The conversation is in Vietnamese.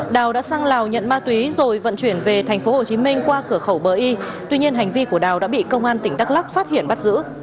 đào đã sang lào nhận ma túy rồi vận chuyển về tp hcm qua cửa khẩu bờ y tuy nhiên hành vi của đào đã bị công an tỉnh đắk lắc phát hiện bắt giữ